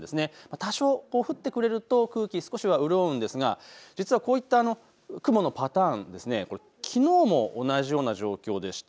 多少降ってくれると空気少しは潤うんですが、実はこういった雲のパターン、きのうも同じような状況でした。